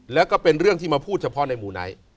แล้วก็เป็นเรื่องที่มาพูดเฉพาะในมูไนท์